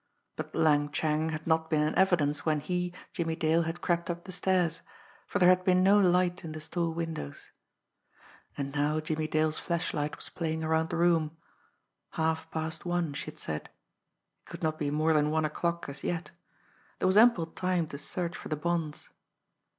But Lang Chang had not been in evidence when he, Jimmie Dale, had crept up the stairs, for there had been no light in the store windows. And now Jimmie Dale's flashlight was playing around the room. Halfpast one, she had said. It could not be more than one o'clock as yet There was ample time to search for the bonds.